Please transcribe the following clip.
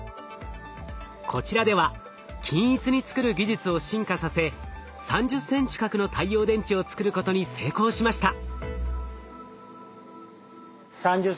こちらでは均一に作る技術を進化させ３０センチ角の太陽電池を作ることに成功しました。